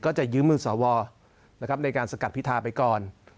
ก็จะยื้อมือสวนะครับในการสกัดพิทาไปก่อน